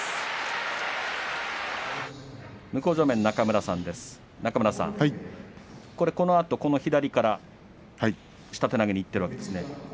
中村さん、このあと左から下手投げにいっているわけですね。